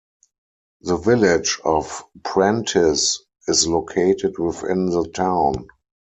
The Village of Prentice is located within the town.